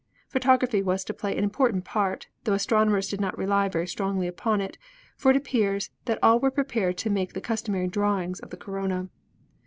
Photography was to play an important part, though astronomers did not rely very strongly upon it; for it appears that all were prepared to make the customary drawings of the corona.